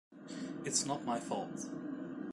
It's not my fault!